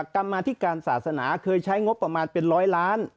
กรรมาธิการศาสนาเคยใช้งบประมาณเป็นร้อยล้าน